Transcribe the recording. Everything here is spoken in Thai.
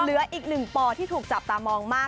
เหลืออีกหนึ่งปที่ถูกจับตามองมาก